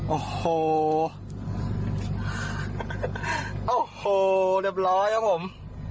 โอ้โหโอ้โหเรียบร้อยครับผม